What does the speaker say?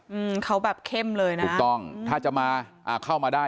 อืมเขาแบบเข้มเลยนะคะถูกต้องถ้าจะมาอ่าเข้ามาได้